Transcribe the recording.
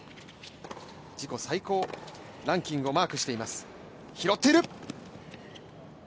自己最高ランキングをマークしています。